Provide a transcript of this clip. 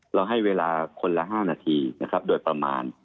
เราให้เวลาคนละ๕นาทีนะครับโดยประมาณ